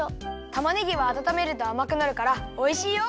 たまねぎはあたためるとあまくなるからおいしいよ！